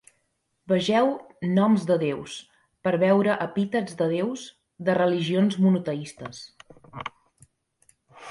Vegeu "Noms de Déus" per veure epítets de déus de religions monoteistes.